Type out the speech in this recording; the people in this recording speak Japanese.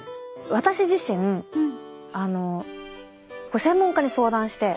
私自身専門家に相談して。